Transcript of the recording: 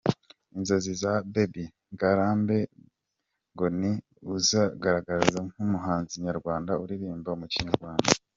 Inzozi za Bobby Ngarambe ngo ni ukuzigaragaza nk’umuhanzi nyarwanda uririmba mu Kinyarwanda.